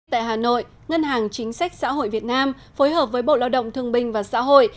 tại hà nội ngân hàng chính sách xã hội việt nam phối hợp với bộ lao động thương binh và xã hội